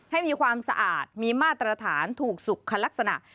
ให้มีความสะอาดมีมาตรฐานถูกสุขลักษณะ